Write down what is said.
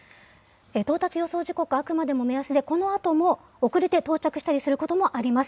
到達予想時刻、あくまでも目安で、このあとも遅れて到達したりすることもあります。